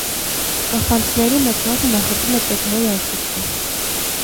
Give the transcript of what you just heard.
Կաֆանցիների մեծ մասը նախընտրում է կենդանի երաժշտություն։